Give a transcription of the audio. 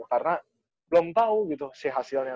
karena belum tau gitu si hasilnya